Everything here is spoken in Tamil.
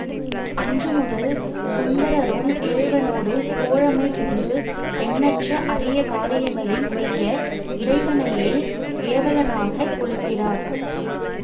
அன்று முதல் சுந்தரரும் இறைவனோடு தோழமை பூண்டு, எண்ணற்ற அரிய காரியங்களைச் செய்ய இறைவனையே ஏவலாளனாகக் கொள்கிறார்.